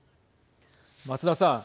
松田さん。